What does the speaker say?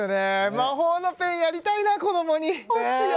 魔法のペンやりたいな子どもに。